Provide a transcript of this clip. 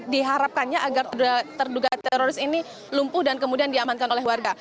diharapkannya agar terduga teroris ini lumpuh dan kemudian diamankan oleh warga